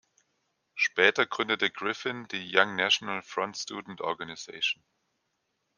Später gründete Griffin die "Young National Front Student Organisation".